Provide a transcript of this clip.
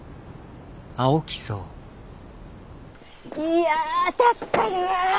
いや助かるわ。